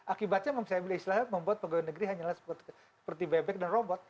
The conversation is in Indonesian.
akibatnya mempunyai ambil istilah yang membuat pegawai negeri hanyalah seperti bebek dan robot